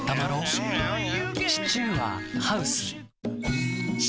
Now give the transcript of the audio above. シチューはハウス。